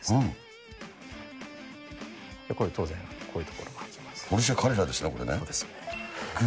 これ、当然こういうところも開きます。。